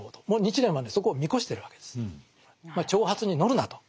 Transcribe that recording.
もう日蓮はねそこを見越してるわけです。